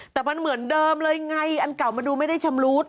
แต่มันเหมือนเดิมเลยไงอันเก่ามันดูไม่ได้ชำรุด